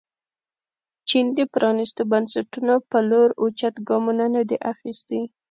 چین د پرانیستو بنسټونو په لور اوچت ګامونه نه دي اخیستي.